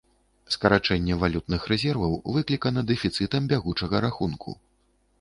Скарачэнне валютных рэзерваў выклікана дэфіцытам бягучага рахунку.